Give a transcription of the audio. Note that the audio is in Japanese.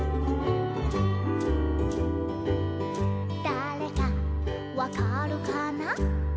「だれかわかるかな？」